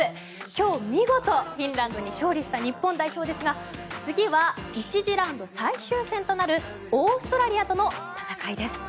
今日、見事、フィンランドに勝利した日本代表ですが次は１次ラウンド最終戦となるオーストラリアとの戦いです。